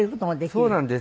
そうなんです。